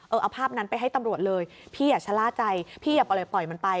เอาภาพนั้นไปให้ตำรวจเลยพี่อย่าชะล่าใจพี่อย่าปล่อยมันไป